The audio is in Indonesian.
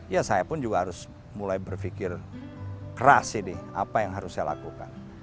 ya saya pun juga harus mulai berpikir keras ini apa yang harus saya lakukan